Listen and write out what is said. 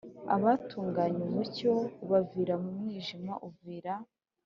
Abatunganye umucyo ubavira mu mwijima Uvira